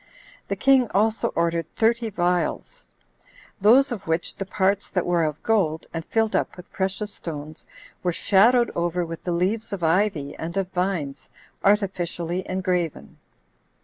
The king also ordered thirty vials; those of which the parts that were of gold, and filled up with precious stones, were shadowed over with the leaves of ivy and of vines, artificially engraven.